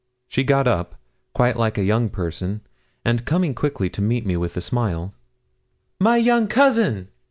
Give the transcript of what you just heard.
She got up, quite like a young person, and coming quickly to meet me with a smile 'My young cousin!'